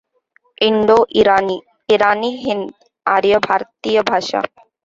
Indo इराणी इराणी हिंद आर्य भारतीय भाषा.